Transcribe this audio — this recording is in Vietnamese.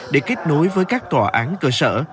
để kết nối với các tòa án cơ sở